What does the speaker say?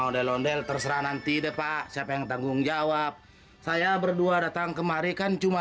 ondel ondel terserah nanti deh pak siapa yang tanggung jawab saya berdua datang kemari kan cuma